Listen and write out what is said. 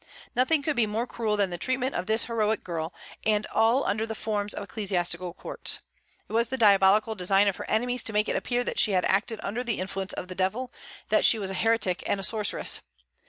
Nothing could be more cruel than the treatment of this heroic girl, and all under the forms of ecclesiastical courts. It was the diabolical design of her enemies to make it appear that she had acted under the influence of the Devil; that she was a heretic and a sorceress.